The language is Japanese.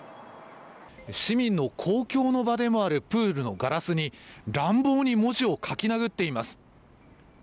市民の公共の場でもあるプールのガラスに乱暴に文字を書き殴っています。